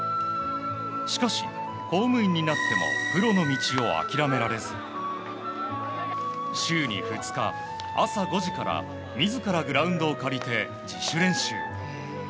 しかし、公務員になってもプロの道を諦められず週に２日、朝５時から自らグラウンドを借りて自主練習。